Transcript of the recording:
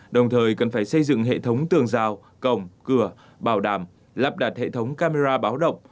đồng thời cần phải xây dựng hệ thống tường rào cổng cửa bảo đảm lắp đặt hệ thống camera báo động